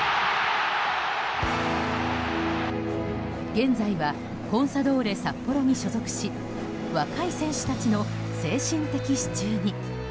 現在はコンサドーレ札幌に所属し若い選手たちの精神的支柱に。